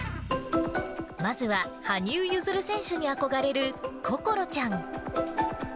まずは、羽生結弦選手に憧れるこころちゃん。